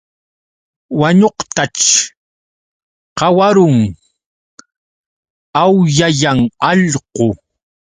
Wañuqtaćh qawarun, awllayan allqu.